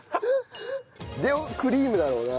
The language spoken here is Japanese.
でクリームだろうな。